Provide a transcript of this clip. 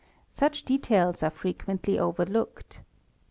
HAIR 195 details are frequently overlooked.